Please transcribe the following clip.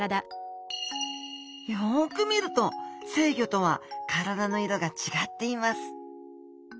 よく見ると成魚とは体の色が違っています。